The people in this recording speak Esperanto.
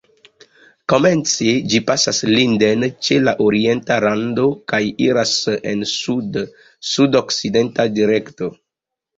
Komence ĝi pasas Linden ĉe la orienta rando kaj iras en sud-sudokcidenta direkto.